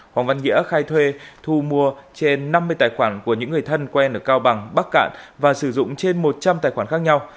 hoàng văn nghĩa khai thuê thu mua trên năm mươi tài khoản của những người thân quen ở cao bằng bắc cạn và sử dụng trên một trăm linh tài khoản khác nhau